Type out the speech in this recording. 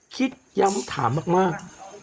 คิดย้ำถามมาก